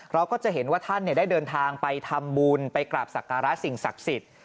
เราก็จะเห็นว่าท่านได้เดินทางไปทำบุญไปกราบสักการะสิ่งศักดิ์สิทธิ์